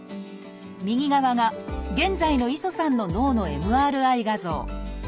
右側が現在の磯さんの脳のＭＲＩ画像。